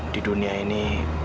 di dunia ini